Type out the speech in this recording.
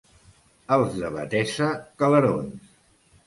Els de Betesa, calerons.